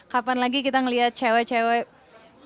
kapan lagi kita melihat cewek cewek melihat cewek buruk